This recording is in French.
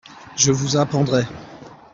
Je vous apprendrai.